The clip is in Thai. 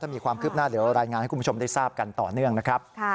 ถ้ามีความคืบหน้าเดี๋ยวเรารายงานให้คุณผู้ชม